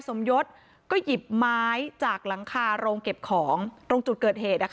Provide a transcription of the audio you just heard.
สมยศก็หยิบไม้จากหลังคาโรงเก็บของตรงจุดเกิดเหตุ